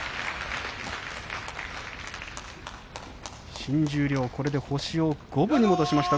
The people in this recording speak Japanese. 新十両、これで星を五分に戻しました。